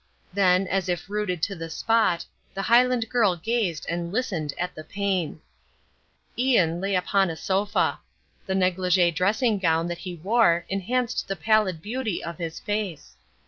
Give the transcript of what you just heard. Then, as if rooted to the spot, the Highland girl gazed and listened at the pane. Ian lay upon a sofa. The négligé dressing gown that he wore enhanced the pallid beauty of his face.